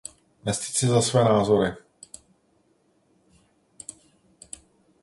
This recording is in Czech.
Nestyď se za své názory.